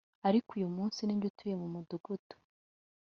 ariko uyu munsi ninjye utuye mu mudugudu